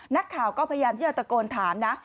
นักข่าวก็พยายามที่จะตะโกนถามนะ